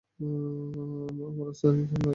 আমার রাজধানীতে আপনাকে স্বাগতম, স্যার।